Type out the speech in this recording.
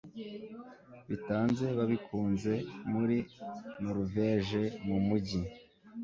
bitanze babikunze muri noruveje mumujyi